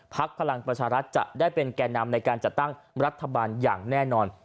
พลังประชารัฐจะได้เป็นแก่นำในการจัดตั้งรัฐบาลอย่างแน่นอน